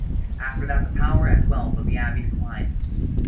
After that, the power and wealth of the abbey declined.